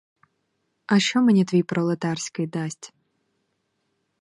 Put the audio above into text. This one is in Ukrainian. А що мені твій пролетарський дасть?